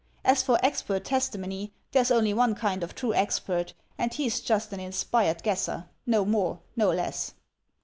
As for expert testimony, there's only one kind of true expert, and he's just an inspired guesser, no more, no less."